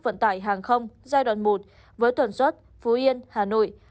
khai thác vận tải hàng không giai đoạn một với tuần xuất phú yên hà nội